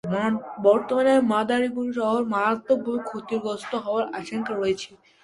বর্তমানে মাদারীপুর শহর মারাত্মকভাবে ক্ষতিগ্রস্ত হওয়ার আশঙ্কা রয়েছে।